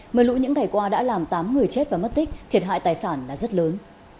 mờ lũ những ngày qua đã làm tám người chết và mất tích thiệt hại tài sản là rất lớn